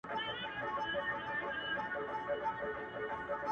o راسه دوې سترگي مي دواړي درله دركړم،